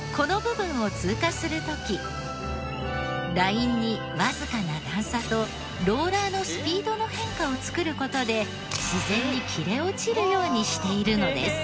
ラインにわずかな段差とローラーのスピードの変化を作る事で自然に切れ落ちるようにしているのです。